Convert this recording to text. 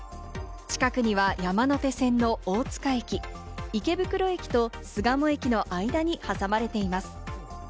近くには山手線の大塚駅、池袋駅と巣鴨駅の間に挟まれています。